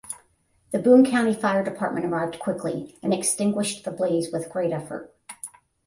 The Boone County Fire Department arrived quickly and extinguished the blaze with great effort.